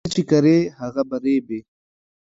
څه چې کرې هغه به ریبې